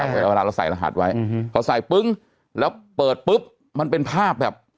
เวลาเราใส่รหัสไว้พอใส่ปึ้งแล้วเปิดปุ๊บมันเป็นภาพแบบ